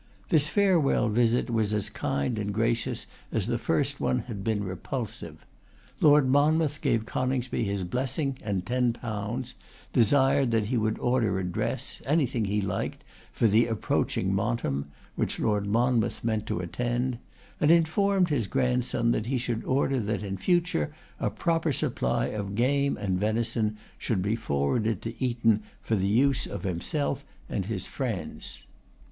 This farewell visit was as kind and gracious as the first one had been repulsive. Lord Monmouth gave Coningsby his blessing and ten pounds; desired that he would order a dress, anything he liked, for the approaching Montem, which Lord Monmouth meant to attend; and informed his grandson that he should order that in future a proper supply of game and venison should be forwarded to Eton for the use of himself and his friends.